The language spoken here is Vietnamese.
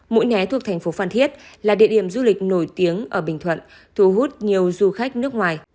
mũi né thuộc thành phố phan thiết là địa điểm du lịch nổi tiếng ở bình thuận thu hút nhiều du khách nước ngoài